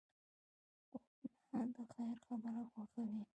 غوږونه د خیر خبره خوښوي